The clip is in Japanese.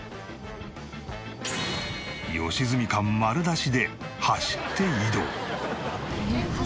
良純感丸出しで走って移動。